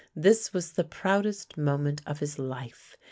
This was the proudest moment of his life.